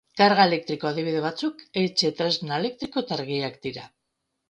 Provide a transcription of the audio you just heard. Karga elektriko adibide batzuk etxetresna elektriko eta argiak dira.